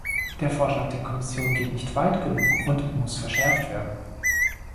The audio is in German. Der Vorschlag der Kommission geht nicht weit genug und muss verschärft werden.